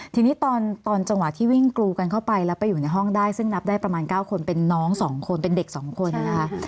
ทีนี้ตอนจังหวะที่วิ่งกรูกันเข้าไปแล้วไปอยู่ในห้องได้ซึ่งนับได้ประมาณ๙คนเป็นน้อง๒คนเป็นเด็ก๒คนนะคะ